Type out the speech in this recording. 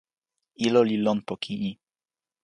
ilo li lon poki ni.